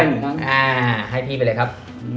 ให้พี่ไปเลยครับ